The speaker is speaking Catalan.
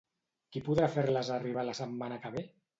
Qui podrà fer-les arribar la setmana que ve?